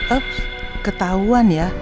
eps ketahuan ya